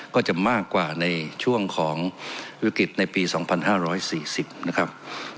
ก็จะมากกว่าในช่วงของวิกฤตในปี๒๕๔๐นะครับ